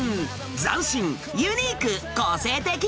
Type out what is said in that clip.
斬新、ユニーク、個性的。